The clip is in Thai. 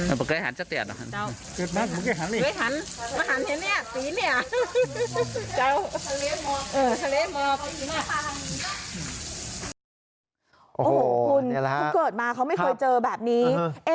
โอ้โหคุณเขาเกิดมาเขาไม่เคยเจอแบบนี้